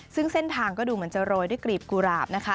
ซึ่งเส้นทางก็ดูเหมือนจะโรยด้วยกลีบกุหลาบนะคะ